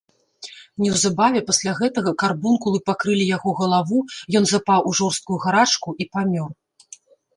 Неўзабаве пасля гэтага карбункулы пакрылі яго галаву, ён запаў у жорсткую гарачку і памёр.